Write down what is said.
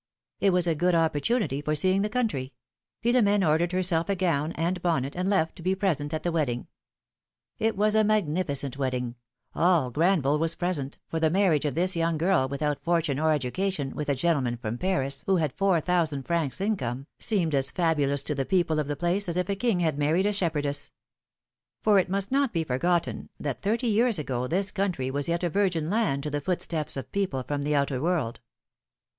It was a good opportunity for seeing the country: Philom^ne ordered herself a gown and bonnet, and left, to be present at the wedding. It was a magnificent wedding; all Granville was present. PHILOMi:XE's MAREIAGES. 41 for the marriage of this young girl without fortune or education with a gentleman from Paris who had four thousand francs income, seemed as fabulous to the people of the place, as if a king had married a shepherdess. For it must not be forgotten, that thirty years ago this country was yet a virgin land to the footsteps of people from the outer world.